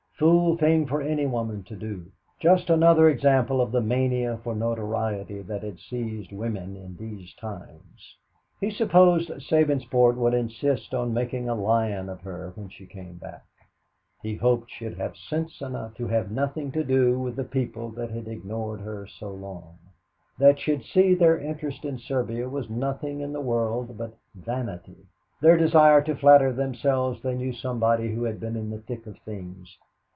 Fool thing for any woman to do just another example of the mania for notoriety that had seized women in these times. He supposed Sabinsport would insist on making a lion of her when she came back. He hoped she'd have sense enough to have nothing to do with the people that had ignored her so long; that she'd see their interest in Serbia was nothing in the world but vanity their desire to flatter themselves they knew somebody who had been in the thick of things.